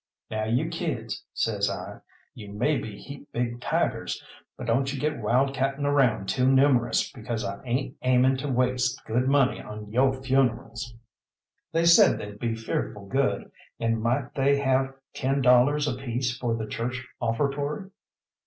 "Now, you kids," says I, "you may be heap big tigers; but don't you get wild catting around too numerous, because I ain't aiming to waste good money on yo' funerals." They said they'd be fearful good, and might they have ten dollars apiece for the church offertory?